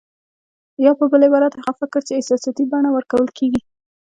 يا په بل عبارت هغه فکر چې احساساتي بڼه ورکول کېږي.